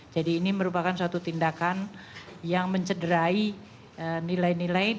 jadi ini merupakan suatu tindakan yang mencederai nilai nilai